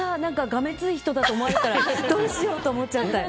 がめつい人だと思われたらどうしようと思っちゃった。